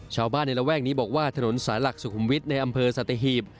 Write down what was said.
ชาวบ้านในระแวกนี้บอกว่าถนนสายหลักสุขุมวิทย์ในอำเภอสัตหีบ